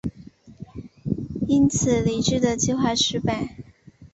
因此黎质的计谋失败。